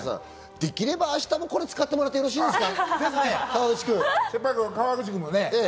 できれば明日もこれ使ってもらってよろしいですか？